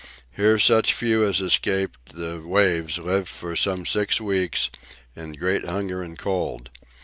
Here such few as escaped the waves lived for some six weeks in "great hunger and cold."